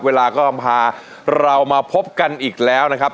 เวลาก็พาเรามาพบกันอีกแล้วนะครับ